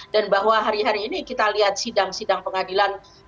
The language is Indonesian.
dan bahwa hari hari ini kita lihat sidang sidang pengadilan